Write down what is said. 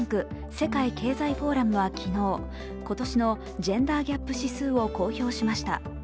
世界経済フォーラムは昨日、今年のジェンダーギャップ指数を公表しました。